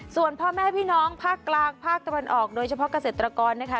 ส่วนพ่อแม่พี่น้องภาคกลางภาคตะวันออกโดยเฉพาะเกษตรกรนะคะ